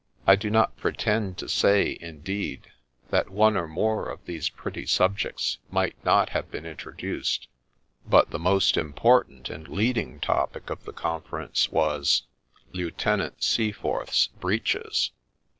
I do not pretend to say, indeed, that one or more of these pretty subjects might not have been introduced ; but the most important and leading topic of the conference was — Lieutenant Seaforth's breeches.